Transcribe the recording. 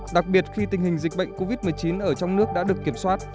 đặc biệt khi tình hình dịch bệnh covid một mươi chín ở trong nước đã được kiểm soát